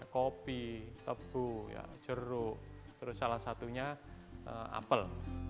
kopi tebu jeruk terus salah satunya apel